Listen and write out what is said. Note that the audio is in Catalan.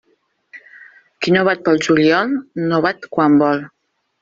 Qui no bat pel juliol, no bat quan vol.